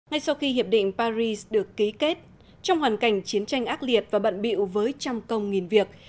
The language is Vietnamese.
ngay sau khi hiệp định paris được ký kết trong hoàn cảnh chiến tranh ác liệt và bận biệu với trăm công nghìn việc